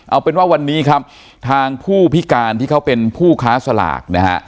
เอาเป็นว่าวันนี้ครับทางผู้พิการที่เขาเป็นผู้ค้าสลากนะฮะ